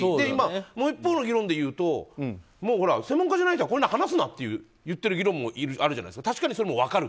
今もう一方の議論でいうと専門家じゃないからこういうのを話すなって言ってる議論もあるじゃないですか。